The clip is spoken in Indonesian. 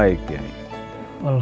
saya akan mencoba untuk mencoba